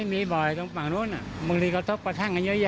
มีบ่อยตรงฝั่งนู้นบางทีกระทบกระทั่งกันเยอะ